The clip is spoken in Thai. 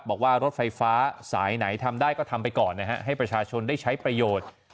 บอกว่ารถไฟฟ้าสายไหนทำได้ก็ทำไปก่อนนะฮะให้ประชาชนได้ใช้ประโยชน์